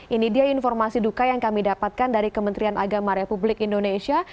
ini dia informasi duka yang kami dapatkan dari kementerian agama republik indonesia